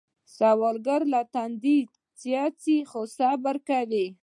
سوالګر له تندي څاڅي خو صبر کوي